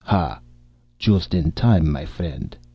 "Ha! Just in time, my friend!